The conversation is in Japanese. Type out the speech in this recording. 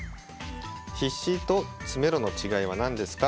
「『必至』と『詰めろ』の違いは何ですか？」。